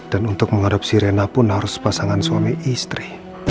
dan untuk mengadopsi rena pun harus pasangan suami istri